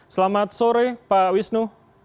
selamat sore pak wisnu